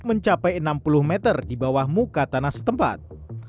mencapai enam puluh meter di bawah muka tanah setempat